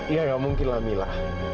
ya gak mungkin lah mila